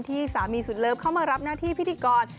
ที่สามีสุดเลิฟเข้ามารับหน้าที่พิธีกร